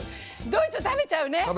ドイツ食べちゃうね。